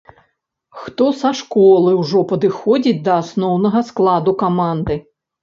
Хто са школы ўжо падыходзіць да асноўнага складу каманды.